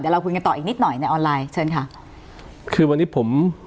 เราคุยกันต่ออีกนิดหน่อยในออนไลน์เชิญค่ะคือวันนี้ผม